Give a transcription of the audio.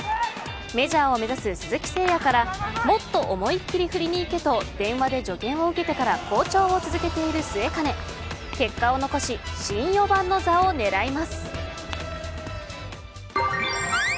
メジャーを目指す鈴木誠也からもっと思いっきり振りに行けと電話で助言を受けてから好調を続けている末包結果を残し新４番の座を狙います。